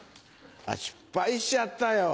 失敗しちゃったよ。